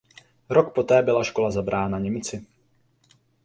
Rok poté byla škola zabrána Němci.